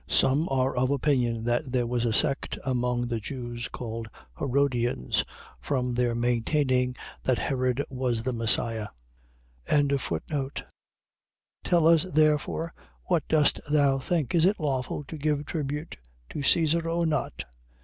Some are of opinion that there was a sect among the Jews called Herodians, from their maintaining that Herod was the Messias. 22:17. Tell us therefore what dost thou think? Is it lawful to give tribute to Caesar, or not?